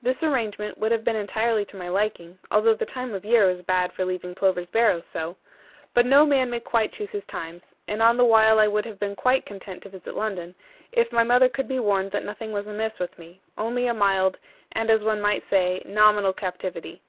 This arrangement would have been entirely to my liking, although the time of year was bad for leaving Plover's Barrows so; but no man may quite choose his times, and on the while I would have been quite content to visit London, if my mother could be warned that nothing was amiss with me, only a mild, and as one might say, nominal captivity.